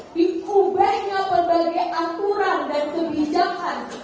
yang kedua mengubahnya perbagai aturan dan kebijakan